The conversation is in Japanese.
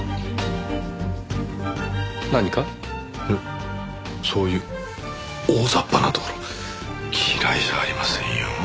いえそういう大ざっぱなところ嫌いじゃありませんよ。